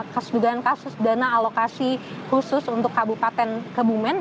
kasus dugaan kasus dana alokasi khusus untuk kabupaten kebumen